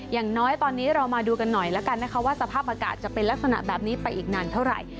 อย่างน้อยตอนนี้เรามาดูกันหน่อยแล้วกันนะคะว่าสภาพอากาศจะเป็นลักษณะแบบนี้ไปอีกนานเท่าไหร่